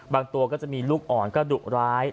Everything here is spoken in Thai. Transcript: ตัวก็จะมีลูกอ่อนก็ดุร้าย